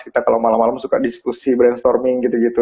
kita kalau malam malam suka diskusi brainstorming gitu gitu